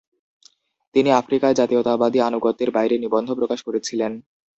তিনি আফ্রিকায় জাতীয়তাবাদী আনুগত্যের বাইরে নিবন্ধ প্রকাশ করেছিলেন ।